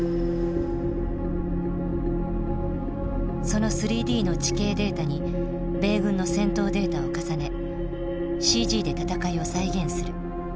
その３Ｄの地形データに米軍の戦闘データを重ねＣＧで戦いを再現する。